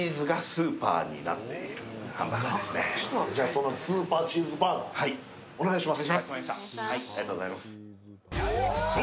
そのスーパーチーズバーガーお願いします。